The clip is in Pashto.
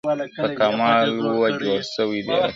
• په کمال وه جوړه سوې ډېره کلکه -